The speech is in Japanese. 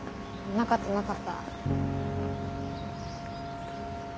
なかったなかった。